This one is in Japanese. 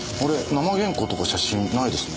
生原稿とか写真ないですね。